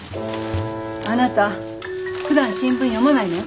あなたふだん新聞読まないの？